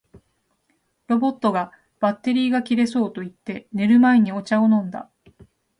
ロボットが「バッテリーが切れそう」と言って、寝る前にお茶を飲んだ